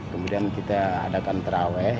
kemudian kita adakan terawih